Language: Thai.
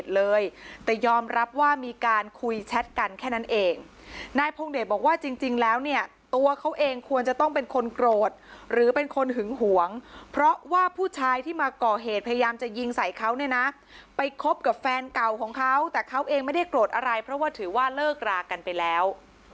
แล้วเนี่ยตัวเขาเองควรจะต้องเป็นคนโกรธหรือเป็นคนหึงหวงเพราะว่าผู้ชายที่มาก่อเหตุพยายามจะยิงใส่เขาเนี่ยนะไปคบกับแฟนเก่าของเขาแต่เขาเองไม่ได้โกรธอะไรเพราะว่าถือว่าเลิกรากันไปแล้ว